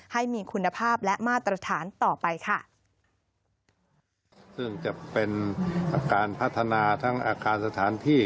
ให้มีคุณภาพและมาตรฐานต่อไปค่ะซึ่งจะเป็นอาคารพัฒนาทั้งอาคารสถานที่